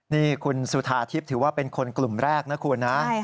นี่คุณสุธาทิพย์ถือว่าเป็นคนกลุ่มแรกนะคุณนะ